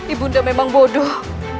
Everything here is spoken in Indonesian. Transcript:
ibu dinda memang bodoh